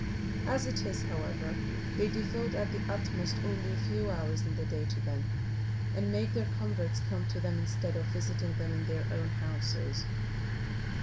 As it is, however, they devote at the utmost only a few hours in the day to them, and make their converts come to them, instead of visiting them in their own houses.